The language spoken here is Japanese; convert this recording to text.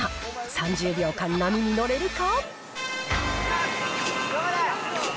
３０秒間、波に乗れるか。